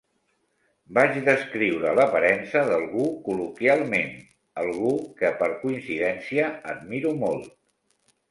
Vaig descriure l'aparença d'algú col·loquialment, algú que, per coincidència, admiro molt.